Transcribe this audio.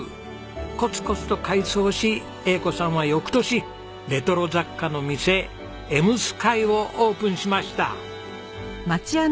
コツコツと改装し栄子さんは翌年レトロ雑貨の店笑夢空をオープンしました。